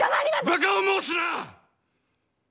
バカを申すな！